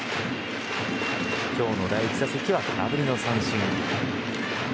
今日の第１打席は空振りの三振。